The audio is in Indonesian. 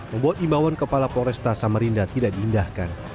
membuat imbauan kepala polresta samarinda tidak diindahkan